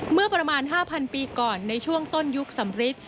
เมื่อประมาณ๕๐๐ปีก่อนในช่วงต้นยุคสำริท